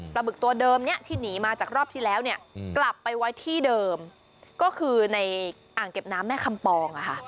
บึกตัวเดิมนี้ที่หนีมาจากรอบที่แล้วเนี่ยกลับไปไว้ที่เดิมก็คือในอ่างเก็บน้ำแม่คำปอง